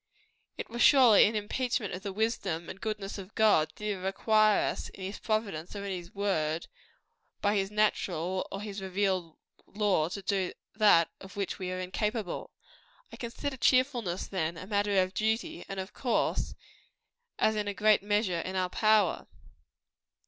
It were surely an impeachment of the wisdom and goodness of God, did he require us, in his providence or in his word by his natural or his revealed law to do that of which we are incapable. I consider cheerfulness, then, as a matter of duty; and, of course, as in a great measure in our power.